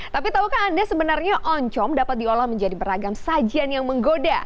tapi tahukah anda sebenarnya oncom dapat diolah menjadi beragam sajian yang menggoda